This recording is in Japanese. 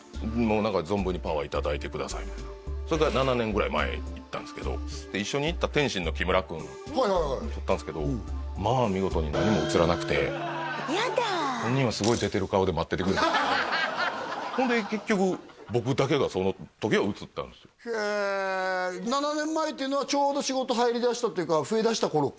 「何か存分にパワーいただいてください」みたいなそれが７年ぐらい前行ったんですけど一緒に行った天津の木村君撮ったんですけどまあ見事に何も写らなくてやだっ本人はすごい出てる顔で待っててほんで結局僕だけがその時は写ったんですよへえ７年前っていうのはちょうど仕事増えだした頃か？